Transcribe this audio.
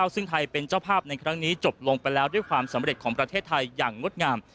ซึ่งไทยเป็นเจ้าภาพในครั้งนี้จบลงไปแล้วด้วยความสำเร็จของประเทศไทยอย่างงดงาม